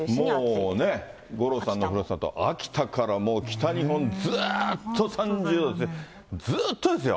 それからもう、五郎さんのふるさと、秋田から北日本ずっと３０度、ずっとですよ。